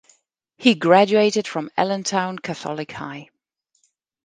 He graduated from Allentown Catholic High.